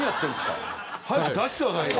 早く出してくださいよ。